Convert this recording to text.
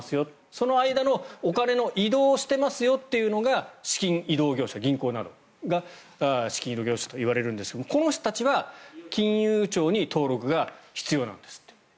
その間のお金の移動をしていますよというのが資金移動業者銀行などが資金移動業者と言われるんですがこの人たちは金融庁に登録が必要なんですって。